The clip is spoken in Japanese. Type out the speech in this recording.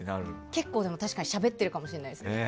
結構、確かにしゃべってるかもしれないです。